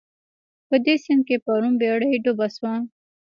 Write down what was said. په دې سيند کې پرون بېړۍ ډوبه شوه